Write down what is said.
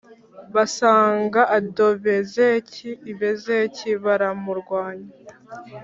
Basanga Adonibezeki i Bezeki baramurwanya